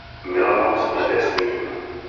Milhouse jde s ním.